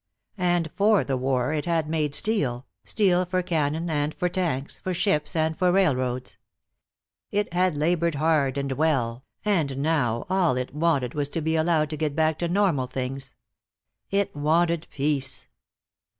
And for the war it had made steel, steel for cannon and for tanks, for ships and for railroads. It had labored hard and well, and now all it wanted was to be allowed to get back to normal things. It wanted peace.